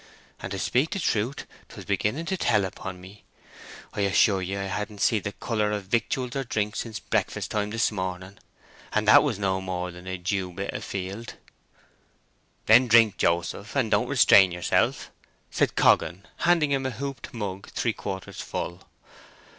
"And to speak the truth, 'twas beginning to tell upon me. I assure ye, I ha'n't seed the colour of victuals or drink since breakfast time this morning, and that was no more than a dew bit afield." "Then drink, Joseph, and don't restrain yourself!" said Coggan, handing him a hooped mug three quarters full.